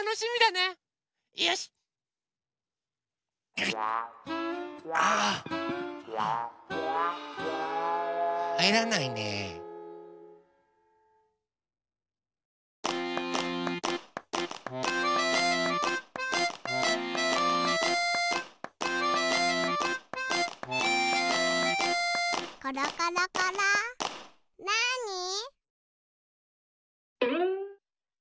なに？